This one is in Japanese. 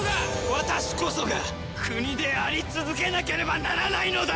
私こそが国であり続けなければならないのだ！